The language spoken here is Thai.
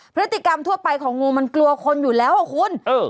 พฤติกรรมทั่วไปของงูมันกลัวคนอยู่แล้วอ่ะคุณ